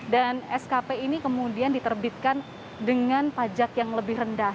dan skp ini kemudian diterbitkan dengan pajak yang lebih rendah